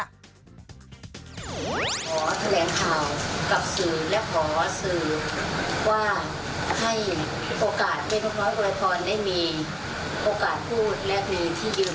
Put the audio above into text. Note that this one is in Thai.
ทั่วโลกก็ว่าได้เพราะมันเป็นโลกของดิจิตอลออนไลน์